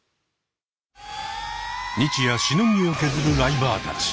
日夜しのぎを削るライバーたち。